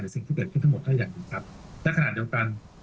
สิ่งที่เกิดขึ้นทั้งหมดก็อย่างหนึ่งครับและขณะเดียวกัน